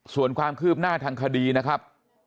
ส่วนความคืบหน้าทางคดีนะครับ